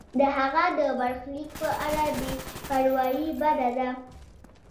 د هغه د برخلیک په اړه بې پروایی بده ده.